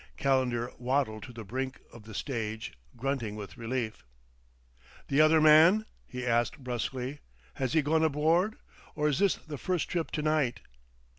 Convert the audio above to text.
Calendar waddled to the brink of the stage, grunting with relief. "The other man?" he asked brusquely. "Has he gone aboard? Or is this the first trip to night?"